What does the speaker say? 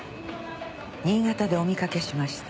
新潟でお見かけしました。